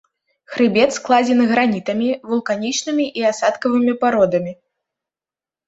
Хрыбет складзены гранітамі, вулканічнымі і асадкавымі пародамі.